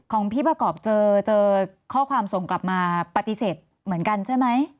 ของพี่ประกอบเจอข้อความส่งกลับมาปฏิเสธเหมือนกันใช่ไหม